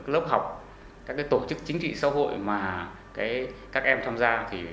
lớp học các tổ chức chính trị xã hội mà các em tham gia